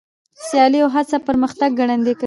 سیالي او هڅه پرمختګ ګړندی کوي.